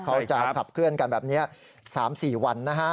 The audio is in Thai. เขาจะขับเคลื่อนกันแบบนี้๓๔วันนะฮะ